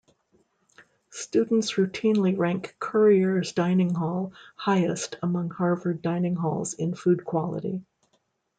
Students routinely rank Currier's dining hall highest among Harvard dining halls in food quality.